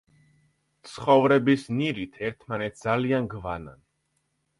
ცხოვრების ნირით ერთმანეთს ძალიან გვანან.